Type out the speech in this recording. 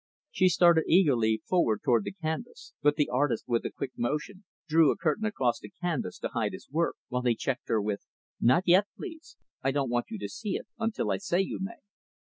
She started eagerly forward toward the easel. But the artist, with a quick motion, drew a curtain across the canvas, to hide his work; while he checked her with "Not yet, please. I don't want you to see it until I say you may."